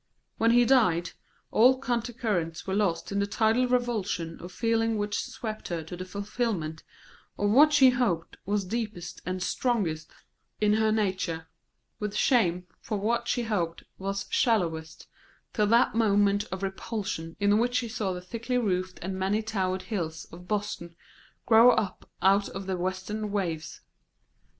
When he died, all counter currents were lost in the tidal revulsion of feeling which swept her to the fulfilment of what she hoped was deepest and strongest in her nature, with shame for what she hoped was shallowest, till that moment of repulsion in which she saw the thickly roofed and many towered hills of Boston grow up out of the western waves.